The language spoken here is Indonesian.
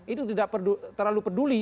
itu tidak terlalu peduli